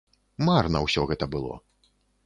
Марна ўсё гэта было.